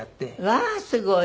わあーすごい。